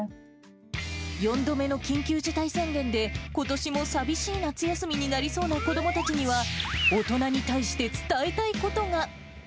４度目の緊急事態宣言で、ことしも寂しい夏休みになりそうな子どもたちには、大人に対して伝えたいことが。